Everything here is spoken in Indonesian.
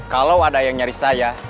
kalau ada yang nyari saya